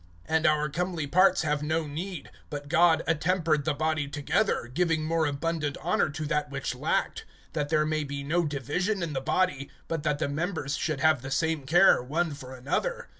(24)And our comely parts have no need; but God attempered the body together, giving more abundant honor to that which lacked; (25)that there may be no division in the body, but that the members should have the same care one for another.